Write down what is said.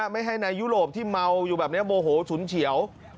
ไม่ให้นายยุโรปที่เมาอยู่แบบนี้โมโหฉุนเฉียว